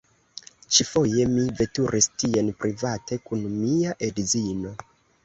Ĉifoje, mi veturis tien private kun mia edzino.